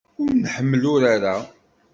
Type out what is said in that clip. Ur nḥemmel urar-a.